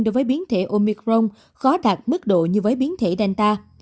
đối với biến thể omicron khó đạt mức độ như với biến thể danta